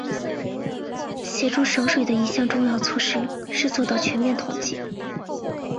协助省水的一项重要措施是做到全面统计。